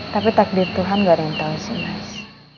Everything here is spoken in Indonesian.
tapi takdir tuhan gak ada yang tahu sih mas